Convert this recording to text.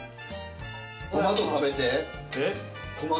トマト食べて。